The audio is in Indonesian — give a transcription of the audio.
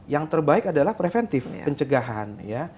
yang terbaik adalah preventif pencegahan ya